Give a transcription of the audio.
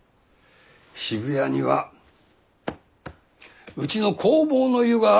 渋谷にはうちの弘法湯がある！